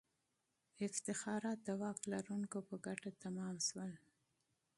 افتخارات د واک لرونکو په ګټه تمام سول.